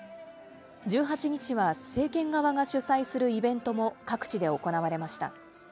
１８日は政権側が主催するイベントも各地で行われました。